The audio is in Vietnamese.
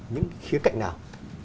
những khía cạnh nào